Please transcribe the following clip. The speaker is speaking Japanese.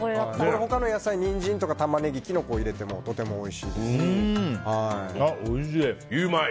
他の野菜、ニンジンやタマネギキノコを入れてもおいしい、ゆウマい！